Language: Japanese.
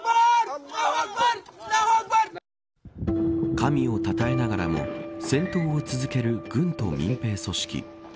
神をたたえながらも戦闘を続ける軍と民間組織。